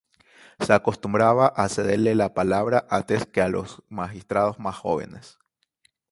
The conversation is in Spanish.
Se acostumbraba a cederle la palabra antes que a los magistrados más jóvenes.